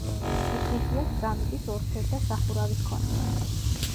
ეკლესიას კრამიტის ორფერდა სახურავი ჰქონია.